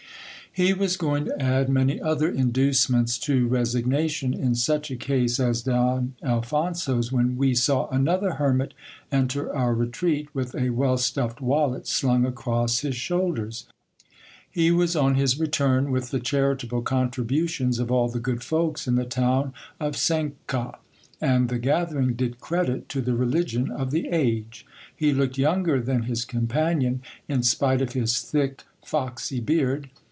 He was going to add many other inducements to resignation, in such a case as Don Alphonso's, when we saw another hermit enter our retreat, with a well stuffed wallet slung across his shoulders. He was on his return, with the :haritable contributions of all the good folks in the town of Cuenca ; and the gathering did credit to the religion of the age. He looked younger than his .ompanion, in spite of his thick, foxy beard.